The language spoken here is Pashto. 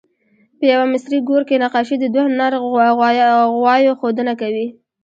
په یوه مصري ګور کې نقاشي د دوه نر غوایو ښودنه کوي.